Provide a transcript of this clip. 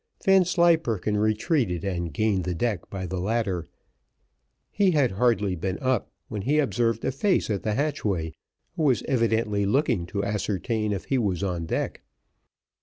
Vanslyperken retreated and gained the deck by the ladder; he had hardly been up when he observed a face at the hatchway, who was evidently looking to ascertain if he was on deck.